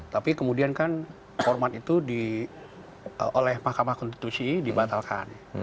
tapi kemudian kan format itu oleh mahkamah konstitusi dibatalkan